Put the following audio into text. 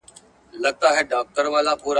د علم د نشتوالي له امله تر ډیره ستونزي شتون لري.